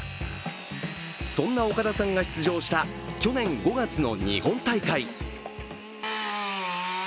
そんな岡田さんが出場した去年５月の日本大会。